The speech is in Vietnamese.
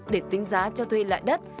để tính giá cho thuê lại đất